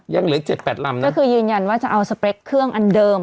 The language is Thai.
ยังเหลือเจ็ดแปดลำนะก็คือยืนยันว่าจะเอาสเปรคเครื่องอันเดิม